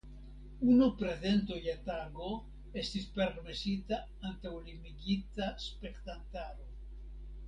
Unu prezento je tago estis permesita antaŭ limigita spektantaro.